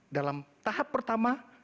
dalam tahap pertama